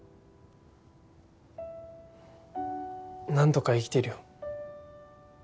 なんとか生きてるよ。